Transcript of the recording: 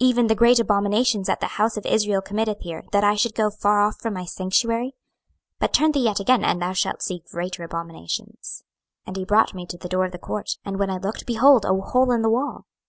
even the great abominations that the house of Israel committeth here, that I should go far off from my sanctuary? but turn thee yet again, and thou shalt see greater abominations. 26:008:007 And he brought me to the door of the court; and when I looked, behold a hole in the wall.